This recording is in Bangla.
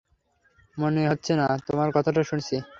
মনে হচ্ছে না, তোমার কথাটা শুনেছি।